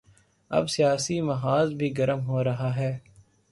اب سیاسی محاذ بھی گرم ہو رہا ہے۔